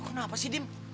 kok kenapa sih dim